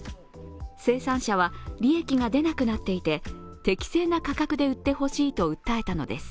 生産者は利益が出なくなっていて、適正な価格が売ってほしいと訴えたのです。